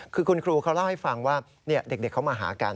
คือคุณครูเขาเล่าให้ฟังว่าเด็กเขามาหากัน